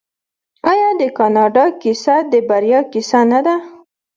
آیا د کاناډا کیسه د بریا کیسه نه ده؟